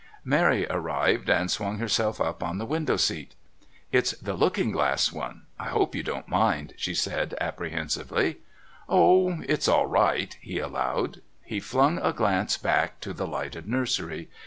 Mary arrived and swung herself up on to the window seat. "It's the 'Looking Glass' one. I hope you don't mind," she said apprehensively. "Oh, it's all right," he allowed. He flung a glance back to the lighted nursery.